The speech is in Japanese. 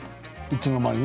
いつの間に？